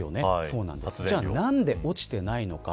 じゃあ何で落ちていないのか。